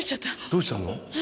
どうしたの？